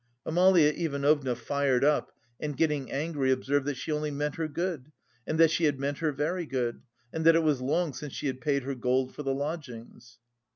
Amalia Ivanovna fired up and getting angry observed that she only "meant her good," and that "she had meant her very good," and that "it was long since she had paid her gold for the lodgings."